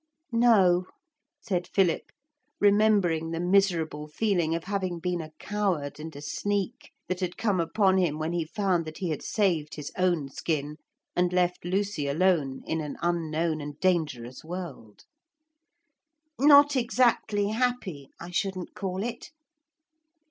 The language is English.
'No,' said Philip, remembering the miserable feeling of having been a coward and a sneak that had come upon him when he found that he had saved his own skin and left Lucy alone in an unknown and dangerous world; 'not exactly happy, I shouldn't call it.'